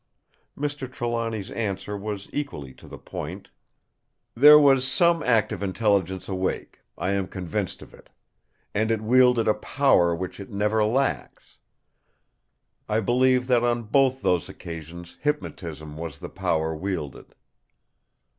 Mr. Trelawny's answer was equally to the point: "There was some active intelligence awake. I am convinced of it. And it wielded a power which it never lacks. I believe that on both those occasions hypnotism was the power wielded."